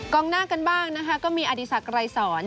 กองหน้ากันบ้างนะคะก็มีอาธิสัตว์ไร่สอนค่ะ